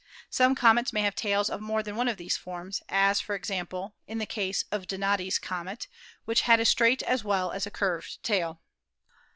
Some comets may have tails of more than one of these forms, as, for example, in the case of Donati's comet, which had a straight as well as a curved tail.